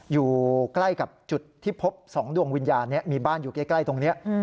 อยู่ใกล้กับจุดที่พบ๒ดวงวิญญาณมีบ้านอยู่ใกล้ตรงนี้